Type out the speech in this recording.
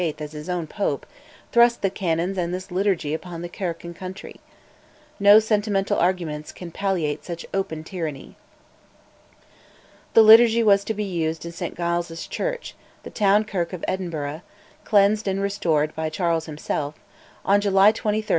as his own Pope, thrust the canons and this Liturgy upon the Kirk and country. No sentimental arguments can palliate such open tyranny. The Liturgy was to be used in St Giles' Church, the town kirk of Edinburgh (cleansed and restored by Charles himself), on July 23, 1637.